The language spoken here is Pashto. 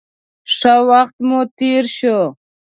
ښه وخت مو تېر شو.